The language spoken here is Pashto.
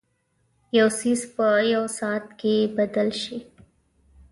یو څیز په یوه ساعت کې بدل شي.